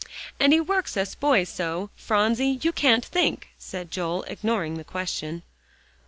"And he works us boys so, Phronsie you can't think," said Joel, ignoring the question.